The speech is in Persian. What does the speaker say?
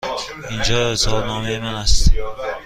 اینجا اظهارنامه من است.